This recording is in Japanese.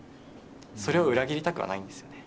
それを裏切りたくはないんですよね。